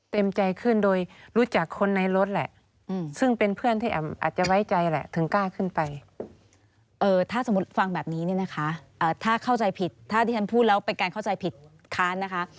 ถ้าสมมุติฟังแบบนี้นะคะถ้าเข้าใจผิดถ้าที่ฉันพูดแล้วเป็นการเข้าใจผิดค้านนะคะ